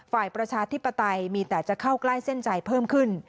ประชาธิปไตยมีแต่จะเข้าใกล้เส้นใจเพิ่มขึ้น